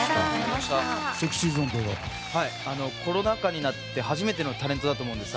コロナ禍になって初めてのタレントだと思うんです。